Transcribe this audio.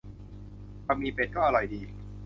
บะหมี่เป็ดก็อร่อยดี